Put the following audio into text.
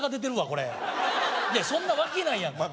これいやそんなわけないやんお前